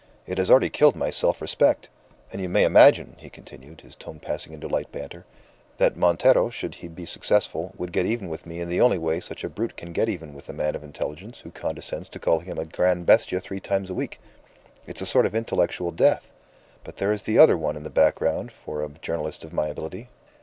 It has already killed my self respect. And you may imagine," he continued, his tone passing into light banter, "that Montero, should he be successful, would get even with me in the only way such a brute can get even with a man of intelligence who condescends to call him a gran' bestia three times a week. It's a sort of intellectual death; but there is the other one in the background for a journalist of my ability."